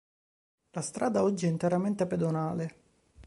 La strada oggi è interamente pedonale.